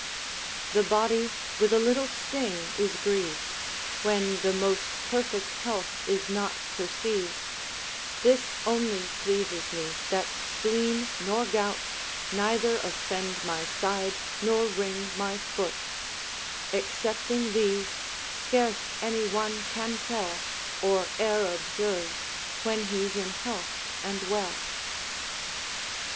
"The body with a little sting is griev'd, When the most perfect health is not perceiv'd, This only pleases me, that spleen nor gout Neither offend my side nor wring my foot; Excepting these, scarce any one can tell, Or e'er observes, when he's in health and well."